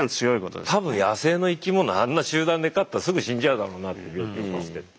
多分野生の生き物あんな集団で飼ったらすぐ死んじゃうだろうなって病気とかしていって。